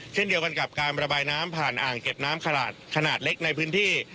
เช่นเดียวกันกับการระบายน้ำผ่านอ่างเก็บน้ำขนาดเล็กในพื้นที่